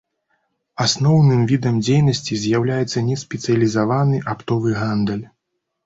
Асноўным відам дзейнасці з'яўляецца неспецыялізаваны аптовы гандаль.